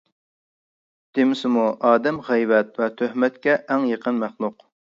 دېمىسىمۇ، ئادەم غەيۋەت ۋە تۆھمەتكە ئەڭ يېقىن مەخلۇق.